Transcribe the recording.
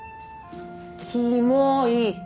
キモい。